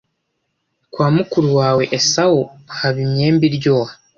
kwa mukuru wawe Esawu haba imyembe iryoha